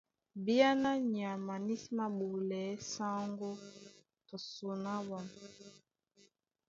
Bìáná nyama ní sí māɓolɛɛ́ sáŋgó tɔ son á ɓwǎm̀.